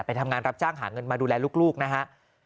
ทำงานรับจ้างหาเงินมาดูแลลูกนะฮะ